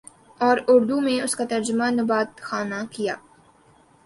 اور اردو میں اس کا ترجمہ نبات خانہ کیا